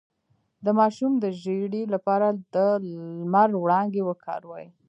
د ماشوم د ژیړي لپاره د لمر وړانګې وکاروئ